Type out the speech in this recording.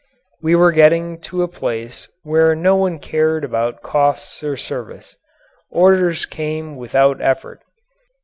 We were getting to a place where no one cared about costs or service. Orders came without effort.